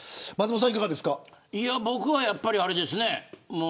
僕はやっぱり、あれですね。